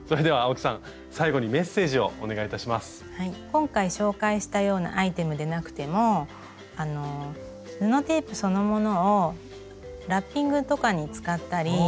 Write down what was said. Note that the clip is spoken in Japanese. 今回紹介したようなアイテムでなくても布テープそのものをラッピングとかに使ったり。